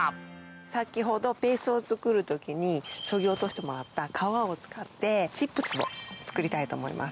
先ほどペーストを作る時にそぎ落としてもらった皮を使ってチップスを作っていきたいと思います。